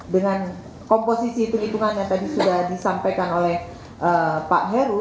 dengan komposisi perhitungan yang tadi sudah disampaikan oleh pak heru